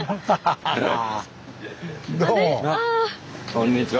こんにちは。